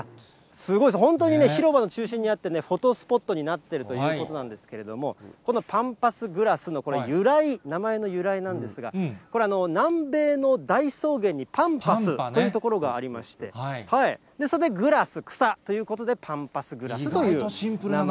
すごい、本当にね、広場の中心にあって、フォトスポットになっているということなんですけれども、このパンパスグラスのこれ、由来、名前の由来なんですが、これ、南米の大草原にパンパスという所がありまして、それでグラス、草ということで、パンパスグラスという名前。